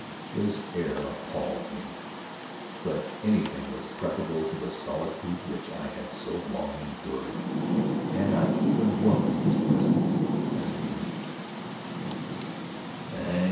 His air appalled me—but anything was preferable to the solitude which I had so long endured, and I even welcomed his presence as a relief.